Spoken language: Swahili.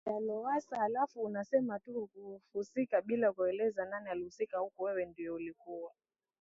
ya Lowassa halafu unasema tu hukuhusika bila kueleza nani walihusika huku wewe ndiye ulikuwa